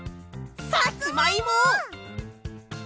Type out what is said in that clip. さつまいも！